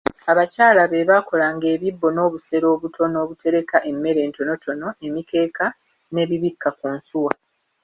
Abakyala bebakolanga ebibbo n'obusero obutono obutereka emmere entonotono, emikeeka, n'ebibikka ku nsuwa